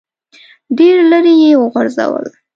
ډېر لیرې یې وغورځول.